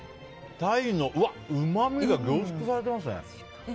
タイのうまみが凝縮されてますね。